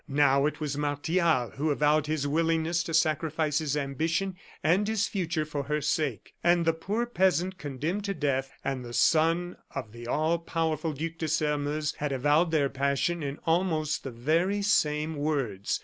Now, it was Martial who avowed his willingness to sacrifice his ambition and his future for her sake. And the poor peasant condemned to death, and the son of the all powerful Duc de Sairmeuse, had avowed their passion in almost the very same words.